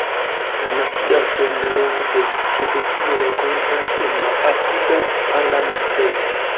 La Nacia Asembleo de Kebekio renkontas en la apuda Parlamentejo.